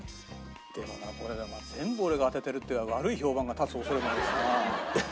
でもなこれ全部俺が当ててるって悪い評判が立つ恐れもあるしな。